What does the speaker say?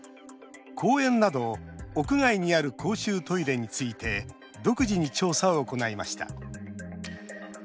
公園など、屋外にある公衆トイレについて独自に調査を行いました。